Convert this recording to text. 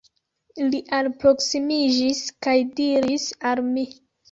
Li alproksimiĝis kaj diris al mi.